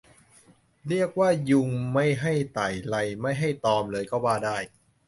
เรียกได้ว่ายุงไม่ให้ไต่ไรไม่ให้ตอมเลยก็ว่าได้